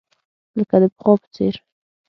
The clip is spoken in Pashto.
لکه د پخوا په څېر.